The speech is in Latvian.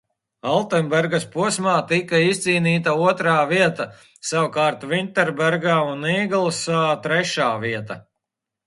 Altenbergas posmā tika izcīnīta otrā vieta, savukārt Vinterbergā un Īglsā – trešā vieta.